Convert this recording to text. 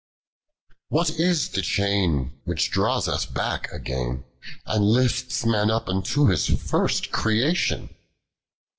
2. What is the chain which draws us back again, And litis man up unto his first creation